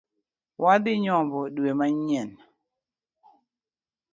Wadhi nyombo dwe manyien.